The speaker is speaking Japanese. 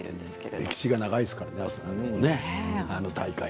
あそこは歴史が長いですからね。